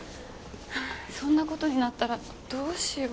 そんな事になったらどうしよう。